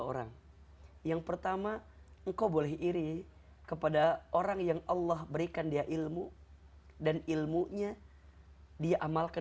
orang yang pertama engkau boleh iri kepada orang yang allah berikan dia ilmu dan ilmunya dia amalkan